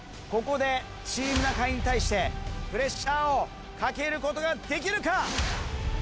ここでチーム中居に対してプレッシャーをかけることができるか？